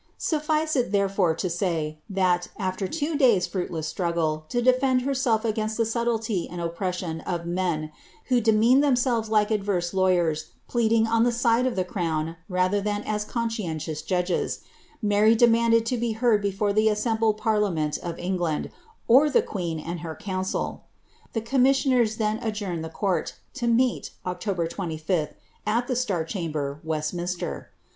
Suflice it therefore to say, that, afler two days' nnitless struggle to defend herself against the subtlety and oppression of men, who demeaned themselves like adverse lawyers pleading on the ride of the crown rather than as conscientious judges, Mary demanded )o be heard before the assembled parliament of England, or the queen md her council. The commissioners then adjourned the court, to meet, >ctober 25th, at the Star Chamber, Westminster.